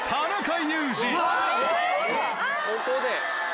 ここで。